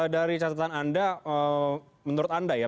dari catatan anda menurut anda ya